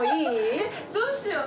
えっどうしよう。